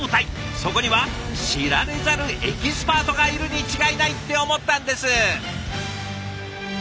そこには知られざるエキスパートがいるに違いないって思ったんです。